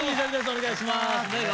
お願いしますねえ